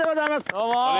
どうも！